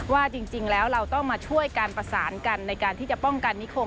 ว่าจริงแล้วเราต้องมาช่วยการประสานกันในการที่จะป้องกันนิคม